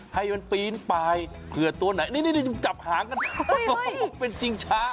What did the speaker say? ให้มันปีนไปเผื่อตัวไหนนี่จับหางกันเป็นชิงช้า